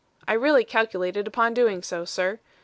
I really calculated upon doing so, sir.